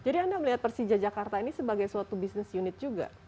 jadi anda melihat persija jakarta ini sebagai suatu business unit juga